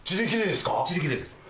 自力でですか？